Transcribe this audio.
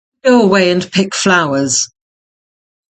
You go away and pick flowers.